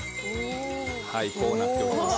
はいこうなっております。